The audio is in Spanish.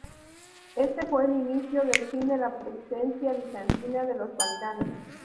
Este fue el inicio del fin de la presencia bizantina en los Balcanes.